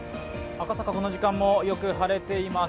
赤坂、この時間もよく晴れています。